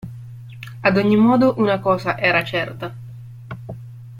Ad ogni modo, una cosa era certa.